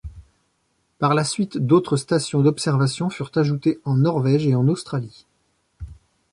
Par la suite d'autres stations d'observation furent ajoutées en Norvège et en Australie.